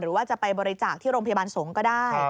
หรือว่าจะไปบริจาคที่โรงพยาบาลสงฆ์ก็ได้